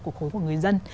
của khối của người dân